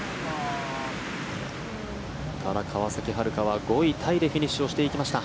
ただ、川崎春花は５位タイでフィニッシュしていきました。